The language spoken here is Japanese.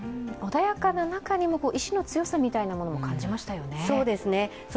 穏やかな中にも意志の強さみたいなものを感じましたよね。